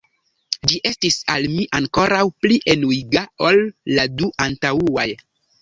Ĝi estis al mi ankoraŭ pli enuiga ol la du antaŭaj.